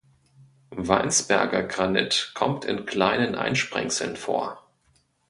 Weinsberger Granit kommt in kleinen Einsprengseln vor.